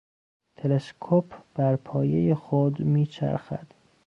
تلسکوپ برپایهی خود میچرخد.